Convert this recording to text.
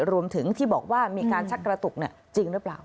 รวมถึงที่บอกว่ามีการชักกระตุกจริงหรือเปล่า